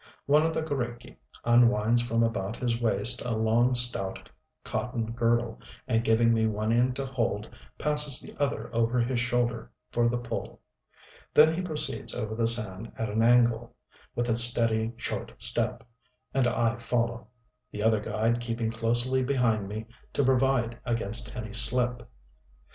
One of the g┼Źriki unwinds from about his waist a long stout cotton girdle, and giving me one end to hold, passes the other over his shoulder for the pull. Then he proceeds over the sand at an angle, with a steady short step, and I follow; the other guide keeping closely behind me to provide against any slip.